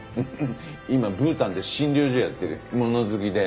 今ブータンで診療所やってるよ。